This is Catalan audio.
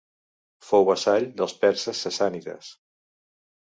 Fou vassall dels perses sassànides.